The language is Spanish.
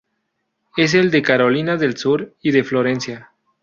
Es el de Carolina del Sur y de Florida.